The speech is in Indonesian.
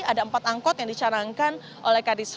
ada empat angkot yang dicarangkan oleh kadisku